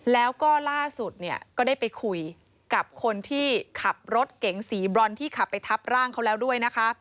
แล้วก็ล่าสุดเนี่ยก็ได้ไปคุยกับคนที่ขับรถเก๋งสีบรอนที่ขับไปทับร่างเขาแล้วด้วยนะคะ